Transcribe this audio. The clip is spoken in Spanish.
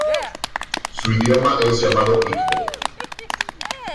Su idioma es llamado igbo.